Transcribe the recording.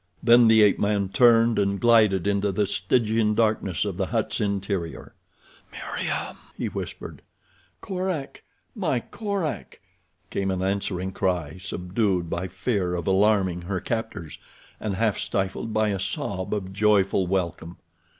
Then the ape man turned and glided into the Stygian darkness of the hut's interior. "Meriem!" he whispered. "Korak! My Korak!" came an answering cry, subdued by fear of alarming her captors, and half stifled by a sob of joyful welcome.